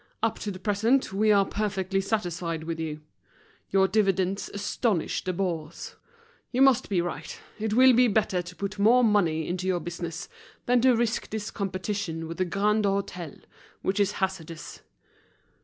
Up to the present, we are perfectly satisfied with you. Your dividends astonish the Bourse. You must be right; it will be better to put more money into your business, than to risk this competition with the Grand Hôtel, which is hazardous."